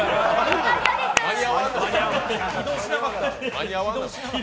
間に合わんの。